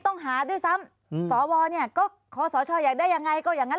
ต้องหาด้วยซ้ำสวเนี่ยก็ขอสชอยากได้ยังไงก็อย่างนั้น